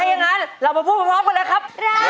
อย่างนั้นเรามาพูดพร้อมกันเลยครับ